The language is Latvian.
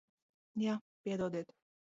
Jā. Piedodiet.